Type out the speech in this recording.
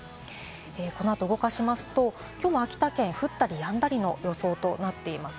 このあと動かしますと、秋田県、降ったりやんだりの予想となっています。